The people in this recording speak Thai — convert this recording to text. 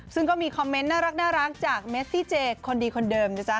ซึ่งก็มีคอมเมนต์น่ารักจากเมซี่เจคนดีคนเดิมนะจ๊ะ